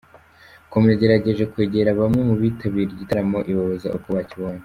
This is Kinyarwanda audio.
com yagerageje kwegera bamwe mu bitabiriye igitaramo ibabaza uko bakibonye.